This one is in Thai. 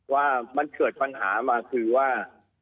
ว่ามันเกิดปัญหามาคือว่า